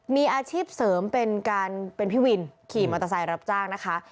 มีอาชีพเสริมเป็นการเป็นพี่วินขี่มอเตอร์ไซค์รับจ้างนะคะ